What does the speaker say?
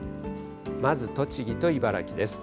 まず栃木と茨城です。